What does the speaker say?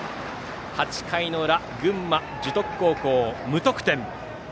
８回の裏群馬・樹徳高校、無得点。